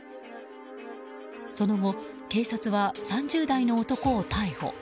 その後、警察は３０代の男を逮捕。